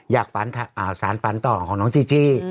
อยากฝันสารฝันต่อของน้องจีจี้